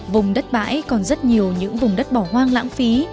vùng đất bãi còn rất nhiều những vùng đất bỏ hoang lãng phí